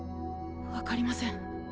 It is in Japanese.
分かりません。